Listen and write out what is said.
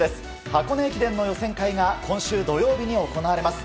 箱根駅伝の予選会が今週土曜日に行われます。